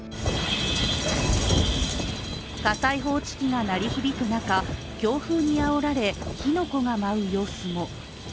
火災報知器が鳴り響く中、強風にあおられ、火の粉が舞う様子も。